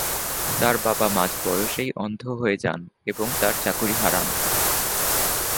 তার বাবা মাঝ বয়সেই অন্ধ হয়ে যান এবং তার চাকুরী হারান।